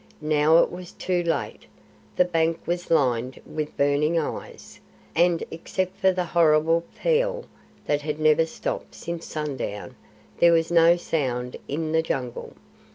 Now it was too late. The bank was lined with burning eyes, and except for the horrible pheeal that had never stopped since sundown, there was no sound in the Jungle.